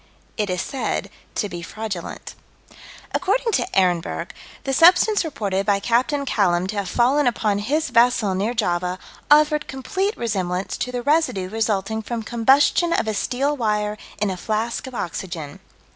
It is said to be fraudulent. According to Ehrenberg, the substance reported by Capt. Callam to have fallen upon his vessel, near Java, "offered complete resemblance to the residue resulting from combustion of a steel wire in a flask of oxygen."